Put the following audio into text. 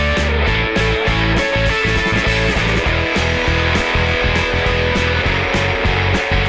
สวัสดีครับทุกคน